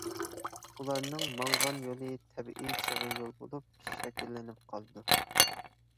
ئۇلارنىڭ ماڭغان يولى تەبىئىي چىغىر يول بولۇپ شەكىللىنىپ قالىدۇ.